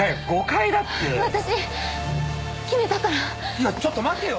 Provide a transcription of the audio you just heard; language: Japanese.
いやちょっと待てよ！